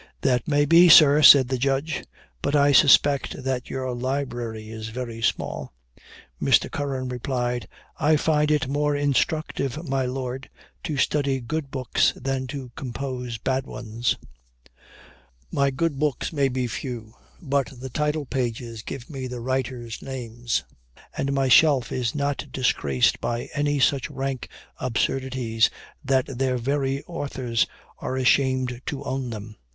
"That may be, sir," said the Judge; "but I suspect that your library is very small." Mr. Curran replied, "I find it more instructive, my Lord, to study good works than to compose bad ones. My books may be few; but the title pages give me the writers' names, and my shelf is not disgraced by any such rank absurdities, that their very authors are ashamed to own them."